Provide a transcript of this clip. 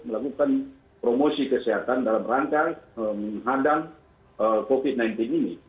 melakukan promosi kesehatan dalam rangka menghadang covid sembilan belas ini